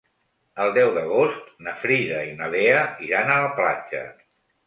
El deu d'agost na Frida i na Lea iran a la platja.